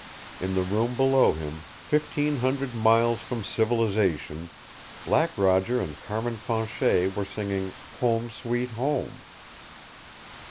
In the room below him, fifteen hundred miles from civilization, Black Roger and Carmin Fanchet were singing "Home, Sweet Home!"